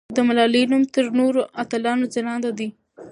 د ملالۍ نوم تر نورو اتلانو ځلانده دی.